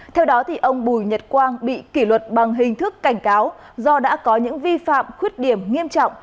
theo đó ông bùi nhật quang bị kỷ luật bằng hình thức cảnh cáo do đã có những vi phạm khuyết điểm nghiêm trọng